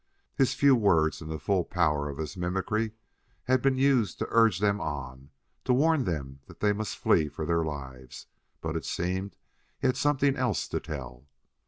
His few words and the full power of his mimicry had been used to urge them on, to warn them that they must flee for their lives, but it seemed he had something else to tell.